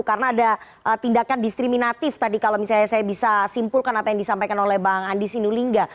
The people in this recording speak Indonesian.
karena ada tindakan diskriminatif tadi kalau misalnya saya bisa simpulkan apa yang disampaikan oleh bang andi sinulinga